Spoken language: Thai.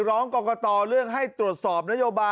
โดนอีกแล้วครับ